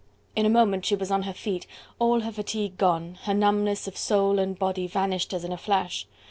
In a moment she was on her feet, all her fatigue gone, her numbness of soul and body vanished as in a flash.